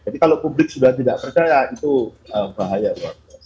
tapi kalau publik sudah tidak percaya itu bahaya buat saya